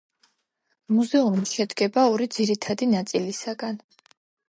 მუზეუმი შედგება ორი ძირითადი ნაწილისაგან.